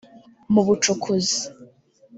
Mu bucukuzi